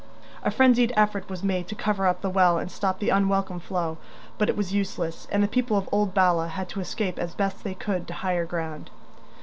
A frenzied effort was made to cover up the well and stop the unwelcome flow, but it was useless, and the people of old Bala had to escape as best they could to higher ground.